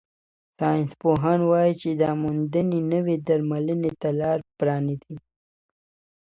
ساینسپوهان وايي چې دا موندنې نوې درملنې ته لار پرانیزي.